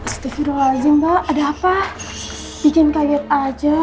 steffi apa lagi mbak ada apa bikin kaget aja